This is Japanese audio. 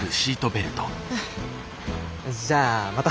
じゃあまた！